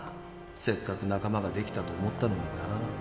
せっかく仲間ができたと思ったのにな。